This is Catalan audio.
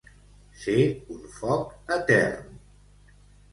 Ser un foc etern.